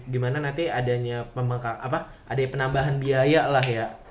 gimana nanti adanya apa ada penambahan biaya lah ya